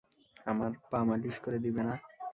আমার পা মালিশ করে দিবে না?